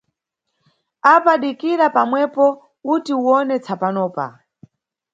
Apa dikira pamwepo, uti uwone tsapanopa.